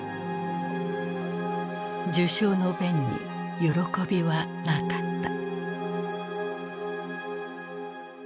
受賞の弁に喜びはなかった。